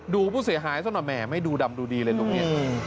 ดูผู้เสียหายซะหน่อยแหมไม่ดูดำดูดีเลยตรงนี้